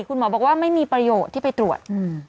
คุณหมอบอกว่าไม่มีประโยชน์ที่ไปตรวจ